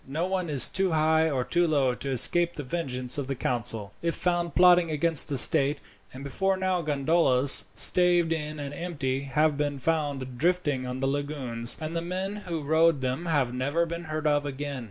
No one is too high or too low to escape the vengeance of the council, if found plotting against the state; and before now gondolas, staved in and empty, have been found drifting on the lagoons, and the men who rowed them have never been heard of again.